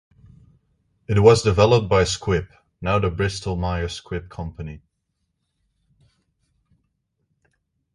It was developed by Squibb, now the Bristol-Myers Squibb Company.